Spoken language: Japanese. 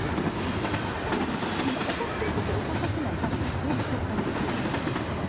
これ、そもそも今、起こってることを起こさせないための、法律を変えるということはできないんですか？